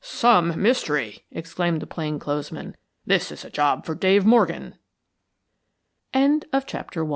"SOME mystery!" exclaimed the plain clothes man. "This is a job for Dave Morgan." CHAPTER II